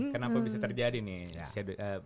kenapa bisa terjadi nih